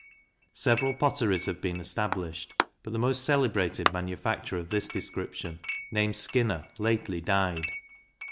Several potteries have been established; but the most celebrated manufacturer of this description, named Skinner, lately died.